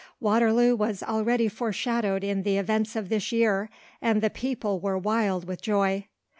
Waterloo was already foreshadowed in the events of this year, and the people were wild with joy.